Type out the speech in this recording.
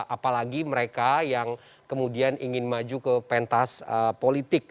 apalagi mereka yang kemudian ingin maju ke pentas politik